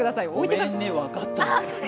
ごめんね、分かった。